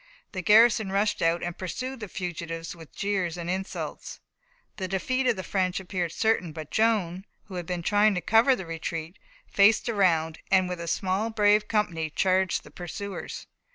The garrison rushed out and pursued the fugitives with jeers and insults. The defeat of the French appeared certain, but Joan, who had been trying to cover the retreat, faced round, and with a small brave company charged the pursuers.